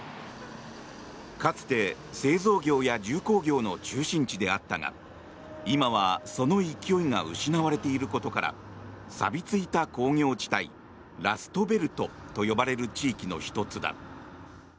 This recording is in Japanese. かつて、製造業や重工業の中心地であったが今はその勢いが失われていることからさび付いた工業地帯ラストベルトと呼ばれる地域の１つだ。